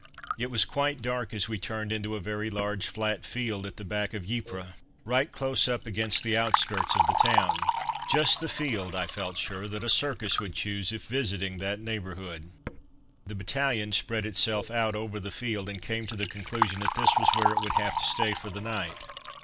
It was quite dark as we turned into a very large flat field at the back of Ypres, right close up against the outskirts of the town. Just the field, I felt sure, that a circus would choose, if visiting that neighbourhood. The battalion spread itself out over the field and came to the conclusion that this was where it would have to stay for the night.